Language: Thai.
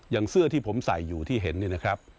เสื้อที่ผมใส่อยู่ที่เห็นเนี่ยนะครับ